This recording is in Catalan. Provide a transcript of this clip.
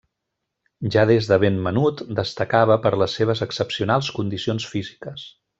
Ja des de ben menut destacava per les seves excepcionals condicions físiques.